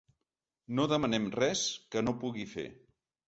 No demanem res que no pugui fer.